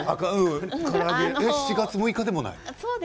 七月六日でもない。